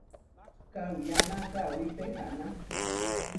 Kauyána kawí pehaná.